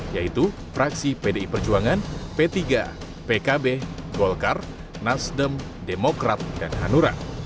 yaitu fraksi pdi perjuangan p tiga pkb golkar nasdem demokrat dan hanura